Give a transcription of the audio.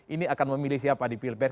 ini akan memilih siapa di pilpres